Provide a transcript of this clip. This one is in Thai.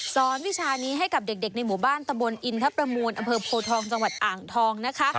สอนวิชานี้ให้กับเด็กในหมู่บ้านตะบลอินทรัพย์ละมูลอโภทองจังหวัดอ่างทอง